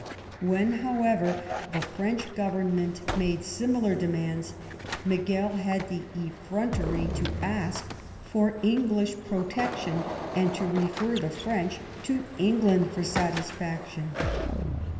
When, however, the French Govern ment made similar demands, Miguel had the effrontery to ask for English protection,;and to refer the French to Eng land for satisfaction.